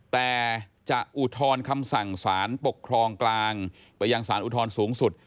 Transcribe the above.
แต่จะอุทธรณ์คำสั่งสารปกครองกลางไปยังสารอุทธรณ์สูงสุด